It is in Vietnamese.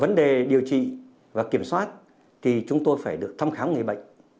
vấn đề điều trị và kiểm soát thì chúng tôi phải được thăm khám người bệnh